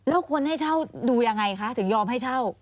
แล้วคนให้เช่าดูยังไงคะถึงยอมให้เช่า